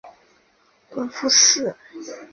弘福寺位于越南北中部广平省丽水县美水社。